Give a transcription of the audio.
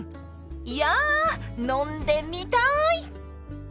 いや飲んでみたい！